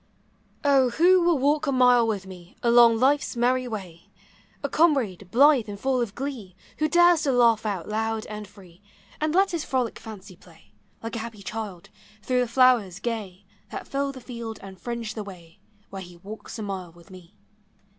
0 who will walk a mile with me Along life's merry way? A comrade blithe and full of glee, Who dares to laugh out loud and free, And let his frolic fancy play, Like a happy child, through the flowers gay That fill the field and fringe the way Where he walks a mile with me.